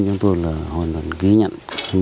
chúng tôi là hoàn toàn ghi nhận